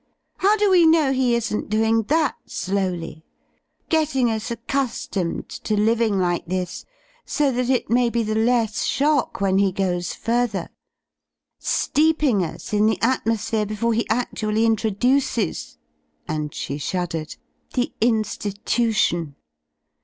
How do we know he isn't doing that slowly; getting us accustomed to livmg like this, so that it may be the less shock when he goes further — ^steeping us in the atmosphere before he actually introduces," and she shuddered, "the institution.